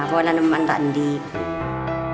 jadi saya ingin belajar di sekolah